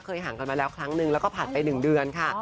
ห่างกันมาแล้วครั้งนึงแล้วก็ผ่านไป๑เดือนค่ะ